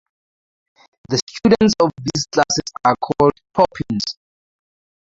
The students of these classes are called "taupins".